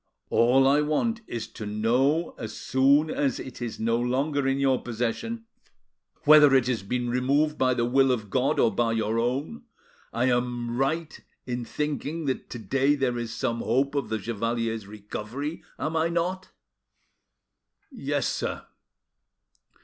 All I want is, to know as soon as it is no longer in your possession, whether it has been removed by the will of God or by your own, I am right in thinking that to day there is some hope of the chevalier's recovery, am I not?" "Yes, Sir."